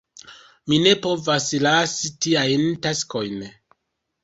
Mi ne povas lasi tiajn taskojn.